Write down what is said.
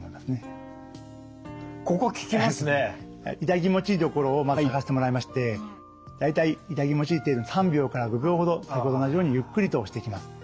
痛気持ちいい所をまず探してもらいまして大体痛気持ちいい程度に３秒から５秒ほど先ほどと同じようにゆっくりと押していきます。